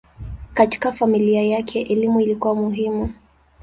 Katika familia yake elimu ilikuwa muhimu.